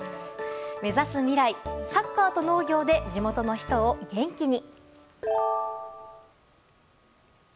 目指す未来、サッカーと農業で地元の人を元気に。